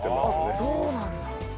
あっそうなんだ。